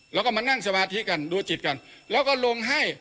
แล้วก็มานั่งสมาธิกันดูจิตกันแล้วก็ลงให้